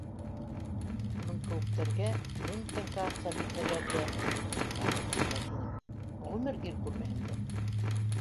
Уның кеүектәргә, мең тәңкә аҡса бирһәләр ҙә, яҡын килмәҫ инем, ғүмер ир күрмәһәм дә